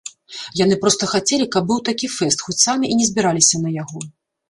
Яны проста хацелі, каб быў такі фэст, хоць самі і не збіраліся на яго.